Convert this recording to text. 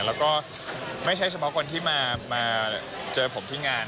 แล้วก็ไม่ใช่เฉพาะคนที่มาเจอผมที่งาน